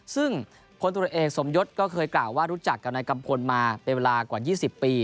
ซึ่งพลตรวจเอกสมยศก็เคยกล่าวว่ารู้จักกับนายกัมพลมาเป็นเวลากว่า๒๐ปี